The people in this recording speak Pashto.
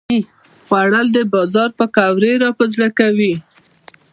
خوړل د بازار پکوړې راپه زړه کوي